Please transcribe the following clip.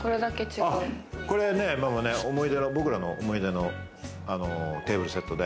これは僕らの思い出のテーブルセットで。